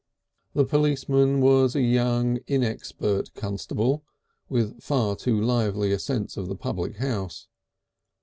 The policeman was a young, inexpert constable with far too lively a sense of the public house.